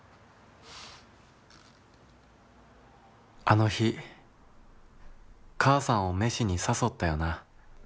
「あの日母さんを飯に誘ったよな。